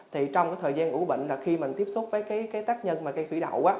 thì trong thời gian ủ bệnh là khi mình tiếp xúc với tác nhân cây thủy đậu